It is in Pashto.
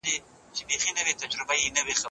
زه به راتلونکې اونۍ د غاښونو ډاکټر ته لاړ شم.